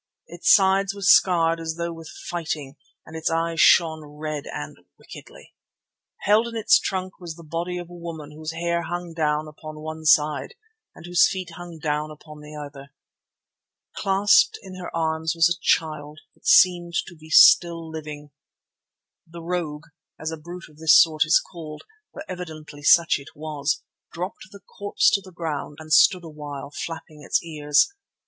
Its sides were scarred as though with fighting and its eyes shone red and wickedly. Held in its trunk was the body of a woman whose hair hung down upon one side and whose feet hung down upon the other. Clasped in her arms was a child that seemed to be still living. The rogue, as a brute of this sort is called, for evidently such it was, dropped the corpse to the ground and stood a while, flapping its ears.